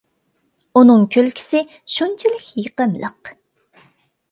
ئۇنىڭ كۈلكىسى شۇنچىلىك يېقىملىق.